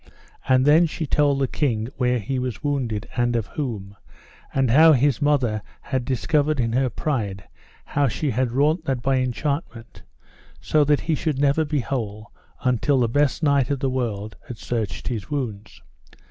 And then she told the king where he was wounded, and of whom; and how his mother had discovered in her pride how she had wrought that by enchantment, so that he should never be whole until the best knight of the world had searched his wounds.